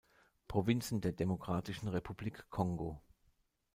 Provinzen der Demokratischen Republik Kongo